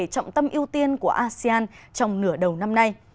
trọng tâm ưu tiên của asean trong nửa đầu năm nay